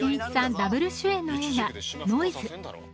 ダブル主演の映画「ノイズ」。